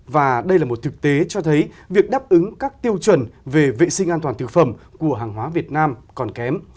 và đây là một thực tế cho thấy việc đáp ứng các tiêu chuẩn về vệ sinh an toàn thực phẩm của hàng hóa việt nam còn kém